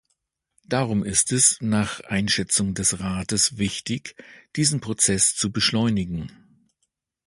Darum ist es, nach Einschätzung des Rates, wichtig, diesen Prozess zu beschleunigen.